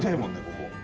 ここ。